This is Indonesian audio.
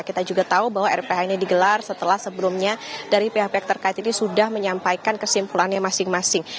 kita juga tahu bahwa rph ini digelar setelah sebelumnya dari pihak pihak terkait ini sudah menyampaikan kesimpulannya masing masing